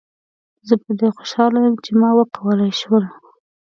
زه په دې خوشحاله یم چې ما وکولای شول.